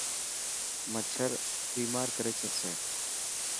مڇر بيمار ڪري ڇڏسي.